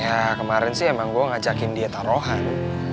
ya kemarin sih emang gue ngajakin dia taruhan